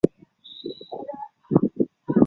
中国心理学家。